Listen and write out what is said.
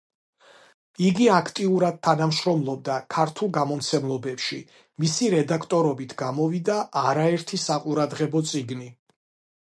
იგი აქტიურად თანამშრომლობდა ქართულ გამომცემლობებში, მისი რედაქტორობით გამოვიდა არაერთი საყურადღებო წიგნი.